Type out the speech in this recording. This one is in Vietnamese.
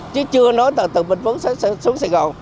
chứ chưa nói từ bình phước xuống sài gòn